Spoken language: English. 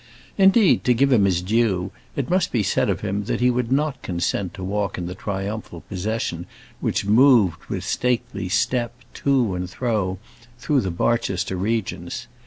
Indeed, to give him his due, it must be said of him that he would not consent to walk in the triumphal procession which moved with stately step, to and fro, through the Barchester regions.